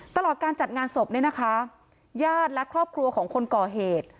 ตลอดการจัดงานศพเนี่ยนะคะญาติและครอบครัวของคนก่อเหตุ